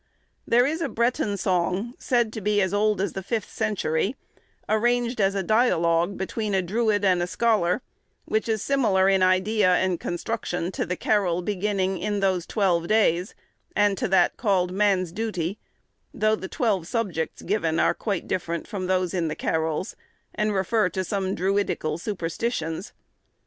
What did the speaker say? There is a Breton song, said to be as old as the fifth century, arranged as a dialogue between a Druid and a scholar, which is similar in idea and construction to the carol beginning, "In those twelve days," and to that called 'Man's Duty,' though the twelve subjects given are quite different from those in the carols, and refer to some druidical superstitions.